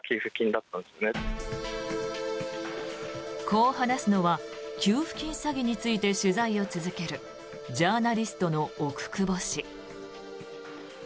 こう話すのは給付金詐欺について取材を続けるジャーナリストの奥窪氏。